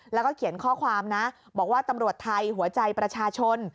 แล้วก็เขียนข้อความนะบอกว่าตำรวจไทยหัวใจประชาชน